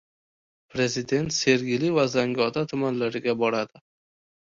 Prezident Sergeli va Zangiota tumanlariga boradi